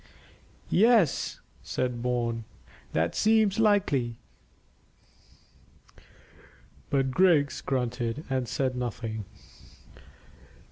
"Yes," said Bourne, "that seems likely;" but Griggs grunted and said nothing.